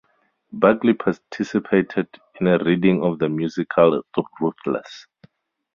Buckley participated in a reading of the musical Ruthless!